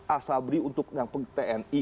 asabri untuk yang tni